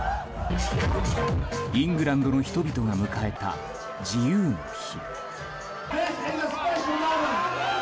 イングランドの人々が迎えた自由の日。